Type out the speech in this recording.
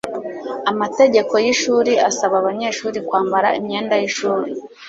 amategeko yishuri asaba abanyeshuri kwambara imyenda yishuri